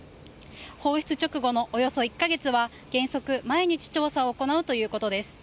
放出直後のおよそ１か月は原則毎日調査を行うということです。